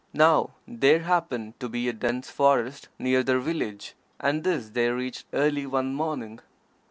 Now there happened to be a dense forest near their village, and this they reached early one morning.